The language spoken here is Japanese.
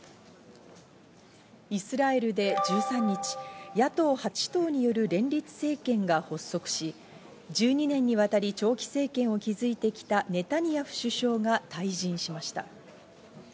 イスラエルで１３日、野党８党による連立政権が発足し、１２年にわたり長期政権を築いてきたネタニヤフ首相が退陣しました。